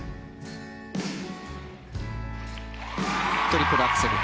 トリプルアクセル。